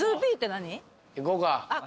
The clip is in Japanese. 行こうか。